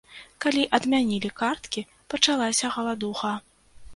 Калі адмянілі карткі, пачалася галадуха.